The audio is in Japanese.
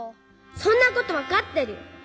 そんなことわかってる！